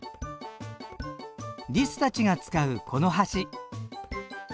リスたちが使うこの橋。